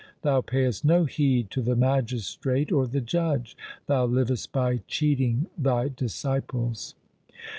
Thou payest no heed to the magistrate or the judge. Thou livest by cheating thy disciples.